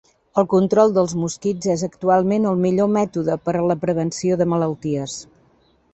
El control dels mosquits és actualment el millor mètode per a la prevenció de malalties.